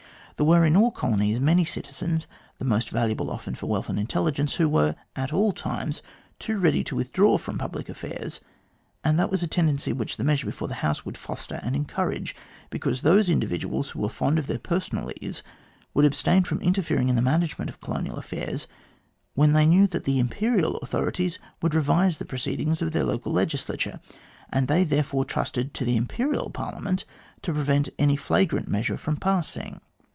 There were in all colonies many citizens, the most valuable often for wealth and intelligence, who were at all times too ready to withdraw from public affairs, and that was a tendency which the measure before the House would foster and encourage, because those individuals who were fond of their personal ease would abstain from interfering in the management of colonial affairs when they knew that the Imperial authorities would revise the proceedings of their local legislature, and they therefore trusted to the Imperial Parliament to prevent any flagrant measure from passing.